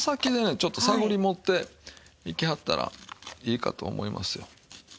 ちょっと探りもっていきはったらいいかと思いますよ。